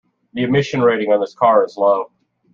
The emission rating on this car is low.